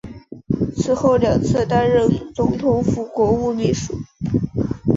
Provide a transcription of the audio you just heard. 此后两次担任总统府国务秘书。